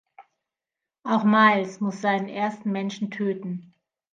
Auch Miles muss seinen ersten Menschen töten.